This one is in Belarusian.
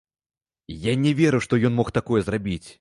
Я не веру, што ён мог такое зрабіць.